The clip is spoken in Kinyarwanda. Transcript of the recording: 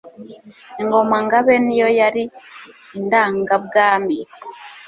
Ingoma-Ngabe niyo yari indangabwami,